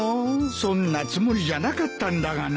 そんなつもりじゃなかったんだがな。